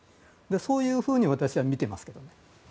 そういうふうに私は見ていますけれど。